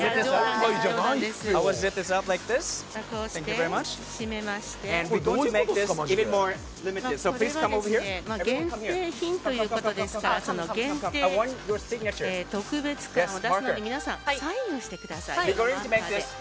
これはですね限定品ということですから特別感を出すので皆さんサインをしてください。